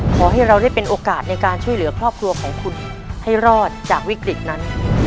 ขอให้เราได้เป็นโอกาสในการช่วยเหลือครอบครัวของคุณให้รอดจากวิกฤตนั้น